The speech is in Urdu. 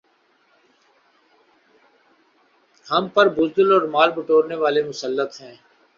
ہم پر بزدل اور مال بٹورنے والے مسلط ہیں